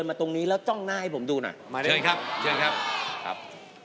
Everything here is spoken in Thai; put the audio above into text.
มาเลยครับเชื่อไหมครับ